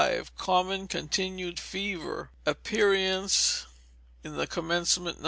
Common Continued Fever. Aperients in the commencement, No.